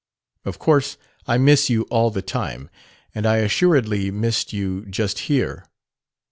"Of course I miss you all the time, and I assuredly missed you just here.